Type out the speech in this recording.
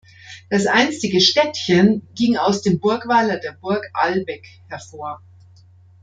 Das einstige „Städtchen“ ging aus dem Burgweiler der Burg Albeck hervor.